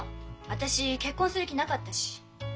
私結婚する気なかったし。